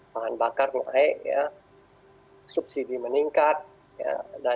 pangan bakar naik ya subsidi meningkat ya